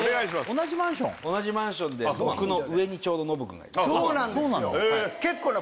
同じマンションで僕の上にちょうどノブ君がいるそうなんですよ